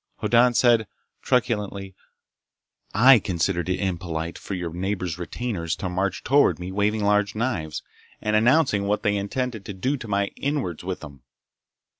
Hoddan said truculently: "I considered it impolite for your neighbors' retainers to march toward me waving large knives and announcing what they intended to do to my inwards with them!"